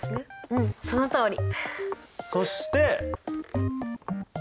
うんそのとおり！